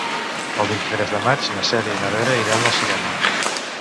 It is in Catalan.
El vint-i-tres de maig na Cèlia i na Vera iran al cinema.